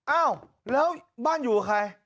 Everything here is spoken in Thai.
แม่ก่อนแล้วบ้านอยู่กับใคร